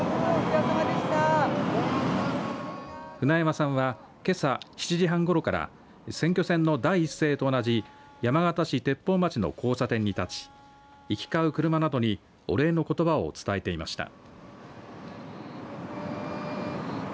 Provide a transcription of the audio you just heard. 舟山さんは、けさ７時半ごろから選挙戦の第一声と同じ山形市鉄砲町の交差点に立ち行き交う車などにお礼のことばを伝えていました。